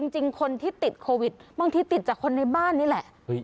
จริงคนที่ติดโควิดบางทีติดจากคนในบ้านนี่แหละ